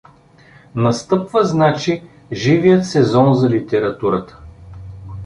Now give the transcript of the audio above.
Настъпва, значи, живият сезон за литературата.